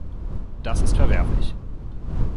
Das ist verwerflich.